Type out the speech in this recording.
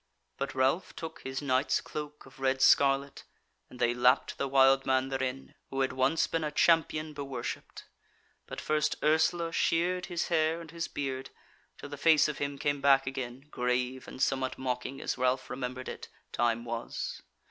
But Ralph took his knight's cloak of red scarlet, and they lapped the wild man therein, who had once been a champion beworshipped. But first Ursula sheared his hair and his beard, till the face of him came back again, grave, and somewhat mocking, as Ralph remembered it, time was.